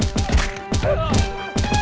curaing curaing curaing